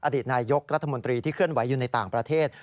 อดีตนายกรัฐมนตรีที่เคลื่อนไหวอยู่ในต่างประเทศ